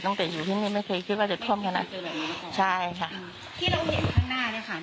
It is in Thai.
อยู่ที่นี่ไม่เคยคิดว่าจะท่วมขนาดนี้ใช่ค่ะที่เราเห็นข้างหน้าเนี้ยค่ะ